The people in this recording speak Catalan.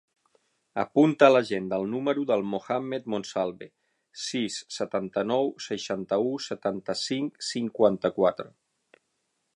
Apunta a l'agenda el número del Mohammed Monsalve: sis, setanta-nou, seixanta-u, setanta-cinc, cinquanta-quatre.